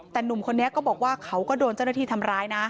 แต่หนุ่มคนนี้ก็บอกว่าเขาก็โดนเจ้าหน้าที่ทำร้ายนะ